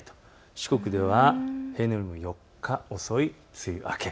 四国は平年よりも４日遅い梅雨明け。